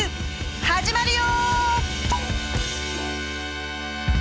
始まるよ！